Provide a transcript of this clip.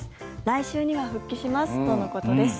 来週には復帰しますとのことです。